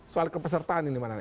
soal kepesertaan ini mana anak